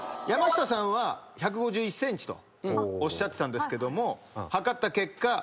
山下さんは１５１ｃｍとおっしゃってたんですけども測った結果。